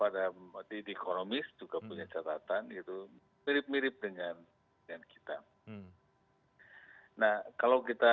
demokrasi di sini itu relatif